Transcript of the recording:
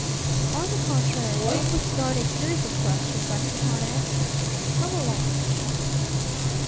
"On the contrary, that would start a series of questions I could not answer. Come along."